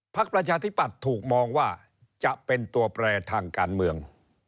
ประชาธิปัตย์ถูกมองว่าจะเป็นตัวแปรทางการเมือง